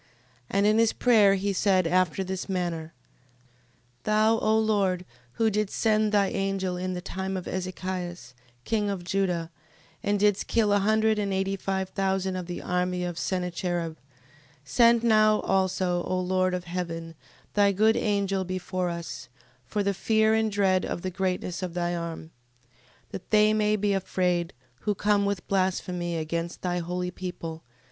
15:22. And in his prayer he said after this manner: Thou, O Lord, who didst send thy angel in the time of Ezechias, king of Juda, and didst kill a hundred and eighty five thousand of the army of Sennacherib: 15:23. Send now also, O Lord of heaven, thy good angel before us, for the fear and dread of the greatness of thy arm, 15:24. That they may be afraid, who come with blasphemy against thy holy people.